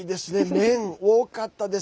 メン、多かったです。